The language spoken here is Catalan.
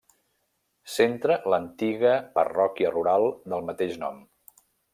Centra l'antiga parròquia rural del mateix nom.